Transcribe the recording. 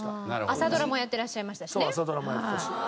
朝ドラもやってらっしゃいましたしね。